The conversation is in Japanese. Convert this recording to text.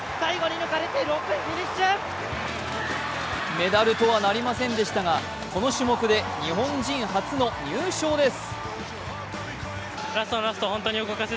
メダルとはなりませんでしたがこの種目で日本人初の入賞です。